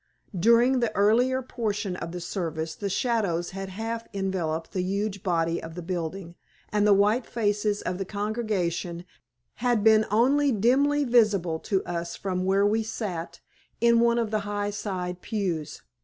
During the earlier portion of the service the shadows had half enveloped the huge body of the building, and the white faces of the congregation had been only dimly visible to us from where we sat in one of the high side pews.